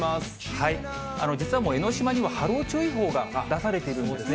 実はもう江の島にも波浪注意報が出されているんですね。